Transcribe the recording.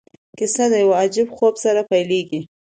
کیسه د یو عجیب خوب سره پیلیږي.